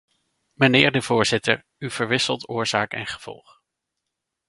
Mijnheer de voorzitter: u verwisselt oorzaak en gevolg.